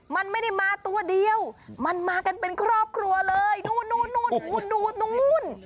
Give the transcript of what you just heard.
มันไม่ได้มาตัวเดียวมันมากันเป็นครอบครัวเลยนู่นตรงนู้น